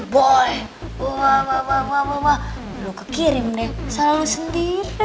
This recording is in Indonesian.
boy wah wah wah lo kekirim deh salah lo sendiri